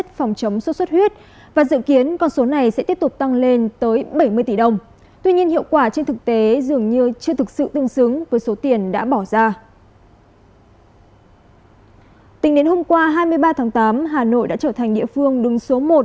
tính đến hôm qua hai mươi ba tháng tám hà nội đã trở thành địa phương đứng số một